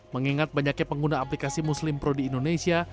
mengingat banyaknya pengguna aplikasi muslim pro di indonesia